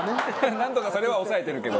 なんとかそれは抑えてるけど。